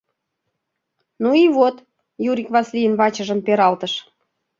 Ну и вот, — Юрик Васлийын вачыжым пералтыш.